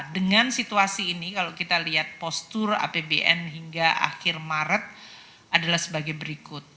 dengan situasi ini kalau kita lihat postur apbn hingga akhir maret adalah sebagai berikut